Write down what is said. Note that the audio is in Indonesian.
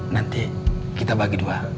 nanti kita bagi dua